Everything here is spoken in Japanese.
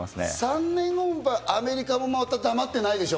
３年後、またアメリカも黙ってないでしょ。